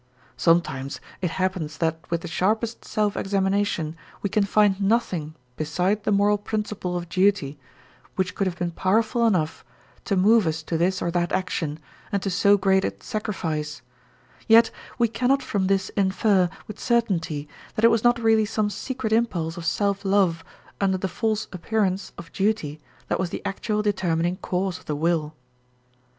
Sometimes it happens that with the sharpest self examination we can find nothing beside the moral principle of duty which could have been powerful enough to move us to this or that action and to so great a sacrifice; yet we cannot from this infer with certainty that it was not really some secret impulse of self love, under the false appearance of duty, that was the actual determining cause of the will.